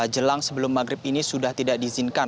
jelang sebelum maghrib ini sudah tidak diizinkan